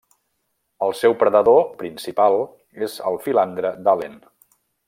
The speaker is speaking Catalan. El seu predador principal és el filandre d'Allen.